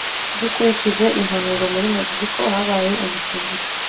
dukurikije impapuro, muri mexico habaye umutingito